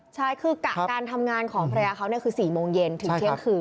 ใช่คือกะการทำงานของภรรยาเขาคือ๔โมงเย็นถึงเที่ยงคืน